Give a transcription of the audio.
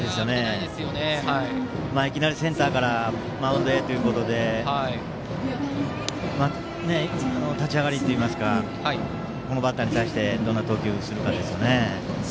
いきなりセンターからマウンドへということで立ち上がり、このバッターに対しどんな投球をするかですね。